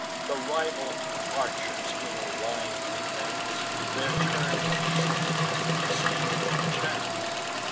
The rival archers in a line advance, Their turn of shooting to receive from chance.